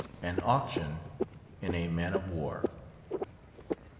AN AUCTION IN A MAN OF WAR.